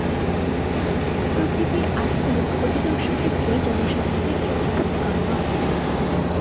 প্রকৃতির আর্সেনিক অধিকাংশ ক্ষেত্রেই জনস্বাস্থ্যের জন্য ক্ষতিকর নয়।